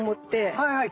はいはい。